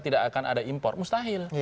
tidak akan ada impor mustahil